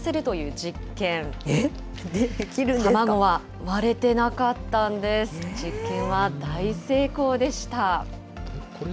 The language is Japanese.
実験は大成功でした。